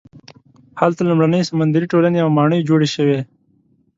هلته لومړنۍ سمندري ټولنې او ماڼۍ جوړې شوې.